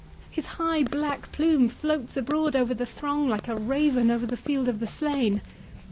—His high black plume floats abroad over the throng, like a raven over the field of the slain.